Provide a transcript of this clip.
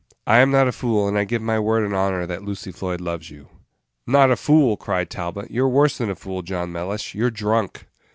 I am not a fool, and I give you my word and honor that Lucy Floyd loves you." "Not a fool!" cried Talbot; "you're worse than a fool, John Mellish you're drunk!"